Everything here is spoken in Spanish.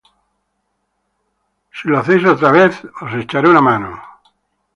Si lo hacéis otra vez, os echaré mano.